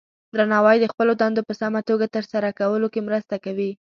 درناوی د خپلو دندو په سمه توګه ترسره کولو کې مرسته کوي.